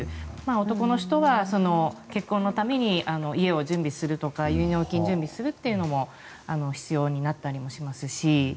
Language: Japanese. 男の人は結婚のために家を準備するとか結納金を準備するのも必要になったりしますし。